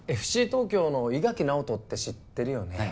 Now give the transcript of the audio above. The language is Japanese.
ＦＣ東京の伊垣尚人って知ってるよね？